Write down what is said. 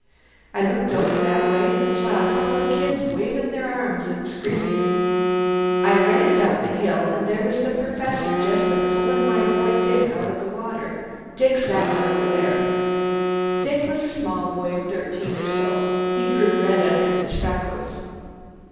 I looked over that way and saw a couple o' kids waving their arms and screamin'. I ran down the hill and there was the Perfessor just a pullin' my boy Dick out o' the water. Dick's this one over here." Dick, a small boy of thirteen or so, grew red under his freckles.